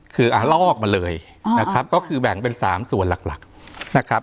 คือลอกมาเลยนะครับก็คือแบ่งเป็น๓ส่วนหลักนะครับ